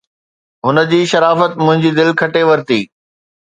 هن جي شرافت منهنجي دل کٽي ورتي